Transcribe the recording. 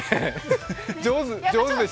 上手でした。